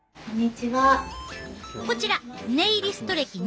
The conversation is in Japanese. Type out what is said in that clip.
こちらネイリスト歴２０年。